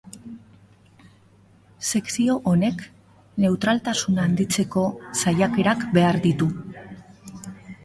Sekzio honek neutraltasuna handitzeko saiakerak behar ditu.